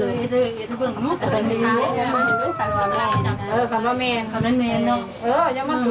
มันคือมีมาเก็บใจตลอดเวลา